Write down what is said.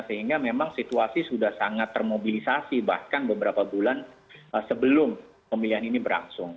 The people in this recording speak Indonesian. sehingga memang situasi sudah sangat termobilisasi bahkan beberapa bulan sebelum pemilihan ini berlangsung